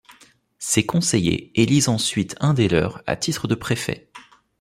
Ces conseillers élisent ensuite un des leurs à titre de préfet.